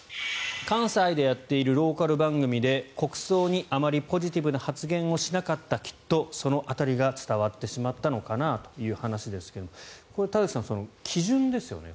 関西でやっているローカル番組で国葬にあまりポジティブな発言をしなかったきっとその辺りが伝わってしまったのかなという話ですがこれ、田崎さん、基準ですよね。